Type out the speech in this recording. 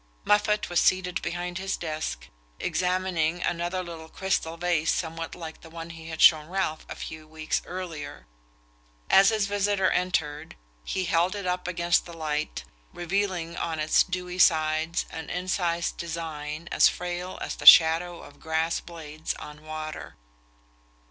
Moffatt was seated behind his desk, examining another little crystal vase somewhat like the one he had shown Ralph a few weeks earlier. As his visitor entered, he held it up against the light, revealing on its dewy sides an incised design as frail as the shadow of grass blades on water.